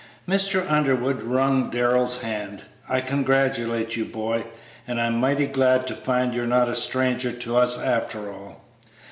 Mr. Underwood wrung Darrell's hand. "I congratulate you, boy, and I'm mighty glad to find you're not a stranger to us, after all."